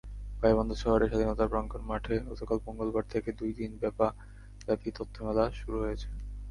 গাইবান্ধা শহরের স্বাধীনতা প্রাঙ্গণ মাঠে গতকাল মঙ্গলবার থেকে দুই দিনব্যাপী তথ্যমেলা শুরু হয়েছে।